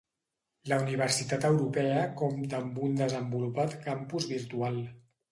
La Universitat Europea compta amb un desenvolupat Campus Virtual.